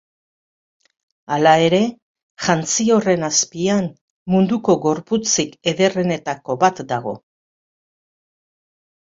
Hala ere, jantzi horren azpian, munduko gorputzik ederrenetako bat dago.